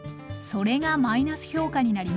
それがマイナス評価になりました。